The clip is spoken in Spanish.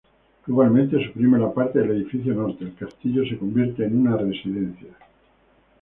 Igualmente, suprime la parte del edificio norte: el castillo se convierte en una residencia.